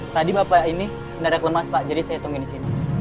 tadi bapak ini mendadak lemas pak jadi saya tungguin di sini